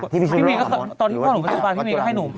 พี่มีก็ตอนที่พ่อหนูไม่สบายพี่มีก็ให้หนู